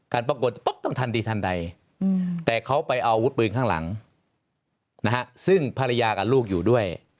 การป้องกันต้องทันทีทันใดแต่เขาไปเอาวุดปืนข้างหลังซึ่งภรรยากับลูกอยู่ด้วย